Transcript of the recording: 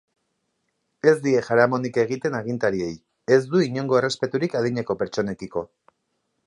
Ez die jaramonik egiten agintariei, ez du inongo errespeturik adineko pertsonekiko.